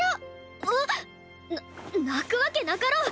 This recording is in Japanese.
な泣くわけなかろう。